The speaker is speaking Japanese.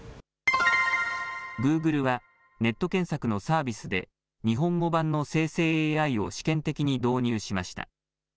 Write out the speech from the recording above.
グーグルはネット検索のサービスで日本語版の生成ＡＩを試験的に導入しました。